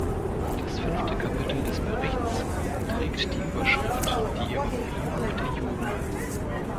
Das fünfte Kapitel des Berichts trägt die Überschrift „Die Evakuierung der Juden“.